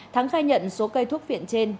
thắng khai nhận số cây thuốc viện trên